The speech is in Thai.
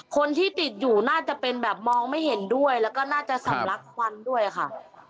คนที่ติดอยู่น่าจะเป็นแบบมองไม่เห็นด้วยแล้วก็น่าจะสำลักควันด้วยค่ะ